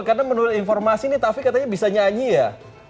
karena menurut informasi nih taffy katanya bisa nyanyi ya